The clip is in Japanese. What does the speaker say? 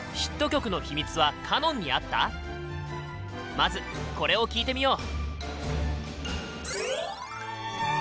まずこれを聴いてみよう！